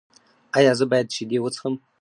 ایا زه باید شیدې وڅښم؟